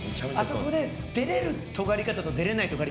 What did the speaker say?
あそこで出られるとがり方と出られない